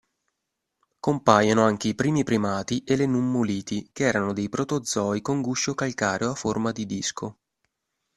Compaiono anche i primi primati e le nummuliti che erano dei protozoi con guscio calcareo a forma di disco.